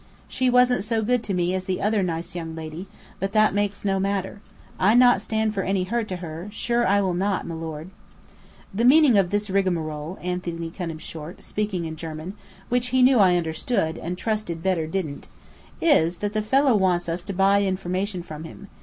She wasn't so good to me as the other nice young lady, but that makes no matter. I not stand for any hurt to her, sure I will not, milord." "The meaning of this rigmarole," Anthony cut him short, speaking in German (which he knew I understood and trusted Bedr didn't) "is, that the fellow wants us to buy information from him.